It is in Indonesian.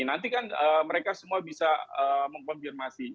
nanti kan mereka semua bisa mengkonfirmasi